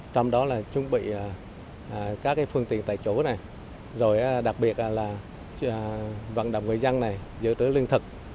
trong đó là chuẩn bị các phương tiện tại chỗ này rồi đặc biệt là vận động người dân này dự trữ lương thực